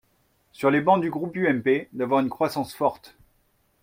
sur les bancs du groupe UMP, d’avoir une croissance forte.